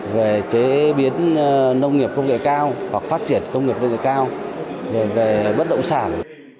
về chế biến nông nghiệp công nghệ cao hoặc phát triển công nghiệp công nghệ cao rồi về bất động sản